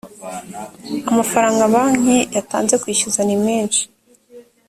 amafaranga banki yatanze mu kwishyuza ni menshi